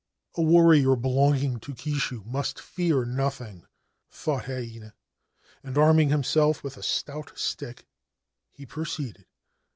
A warrior belonging to Kishu must fear nothing, thought Heinei, and, arming himself with a stout stick, he proceeded.